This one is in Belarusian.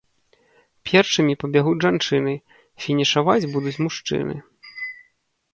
Першымі пабягуць жанчыны, фінішаваць будуць мужчыны.